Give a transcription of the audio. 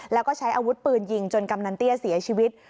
แล้วก็ใช้อาวุธปืนยิงจนกำนันเตี้ยเสียชีวิต